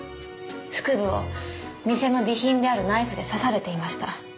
腹部を店の備品であるナイフで刺されていました。